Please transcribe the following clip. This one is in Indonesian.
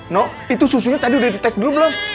noh itu susunya tadi udah di tes dulu belum